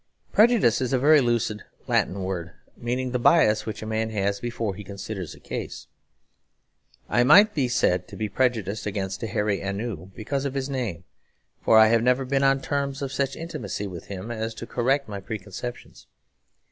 Prejudice is a very lucid Latin word meaning the bias which a man has before he considers a case. I might be said to be prejudiced against a Hairy Ainu because of his name, for I have never been on terms of such intimacy with him as to correct my preconceptions.